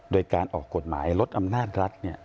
โดยการออกกฎหมายลดอำนาจรัฐ